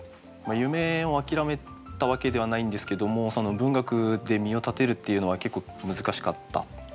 夢を諦めたわけではないんですけどもその文学で身を立てるっていうのは結構難しかった。